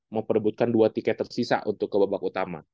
memperebutkan dua tiket tersisa untuk ke babak utama